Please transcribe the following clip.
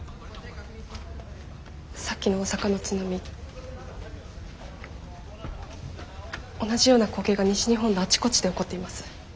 さっきの大阪の津波同じような光景が西日本のあちこちで起こっています。